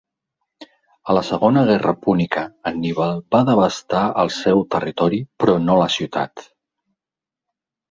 A la Segona Guerra Púnica Anníbal va devastar el seu territori però no la ciutat.